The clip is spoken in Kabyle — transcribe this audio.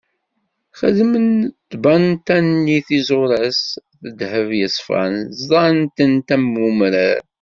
Xedmen i tbanta-nni tizuraz s ddheb yeṣfan, ẓḍan-tent am wemrar.